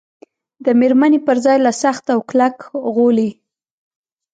د مېرمنې پر ځای له سخت او کلک غولي.